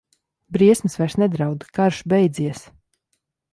Briesmas vairs nedraud, karš beidzies.